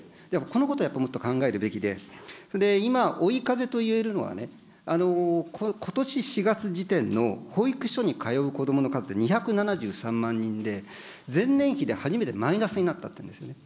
このことをやっぱりもっと考えるべきで、それで今、追い風と言えるのは、ことし４月時点の保育所に通う子どもの数って２７３万人で、前年比で初めてマイナスになったっていうんですよね。